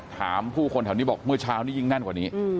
ถามผู้คนแถวนี้บอกเมื่อเช้านี้ยิ่งแน่นกว่านี้